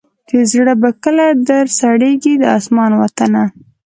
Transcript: چي زړه به کله در سړیږی د اسمان وطنه